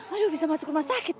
aduh bisa masuk rumah sakit